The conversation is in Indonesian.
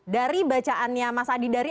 dari bacaannya mas adi dari